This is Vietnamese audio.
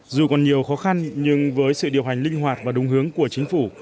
dù còn nhiều khó khăn nhưng với sự điều hành linh hoạt và đúng hướng của chính phủ